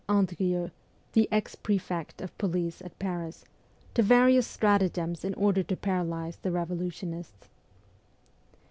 Andrieux, the ex prefect of police at Paris, to various stratagems in order to paralyze the revolutionists.